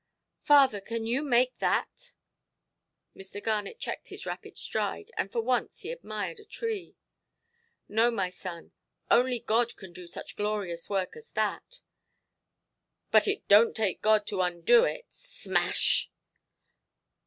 "Father, can you make that"? Mr. Garnet checked his rapid stride; and for once he admired a tree. "No, my son; only God can do such glorious work as that". "But it donʼt take God to undo it. Smash"!